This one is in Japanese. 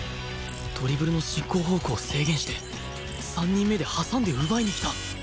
ドリブルの進行方向を制限して３人目で挟んで奪いに来た！